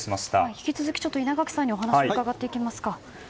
引き続き、稲垣さんにお話を伺っていきます。